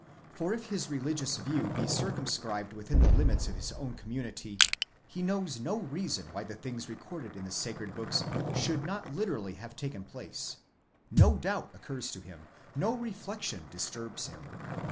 For if his religious view be circumscribed within the limits of his own community, he knows no reason why the things recorded in the sacred books should not literally have taken place ; no doubt occurs to him, no reflection disturbs him.